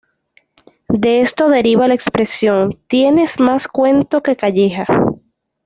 De esto deriva la expresión ""¡Tienes más cuento que Calleja!"".